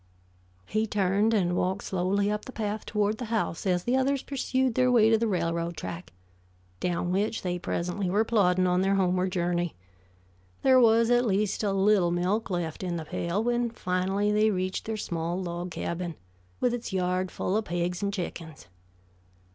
He turned and walked slowly up the path toward the house, as the others pursued their way to the railroad track, down which they presently were plodding on their homeward journey. There was at least a little milk left in the pail when finally they reached their small log cabin, with its yard full of pigs and chickens.